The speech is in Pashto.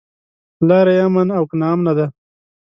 لاره يې امن او که ناامنه ده.